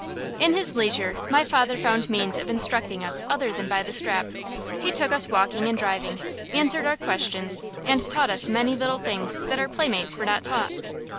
In his leisure, my father found means of instructing us other than by the strap. He took us walking and driving, answered our questions, and taught us many little things that our playmates were not taught.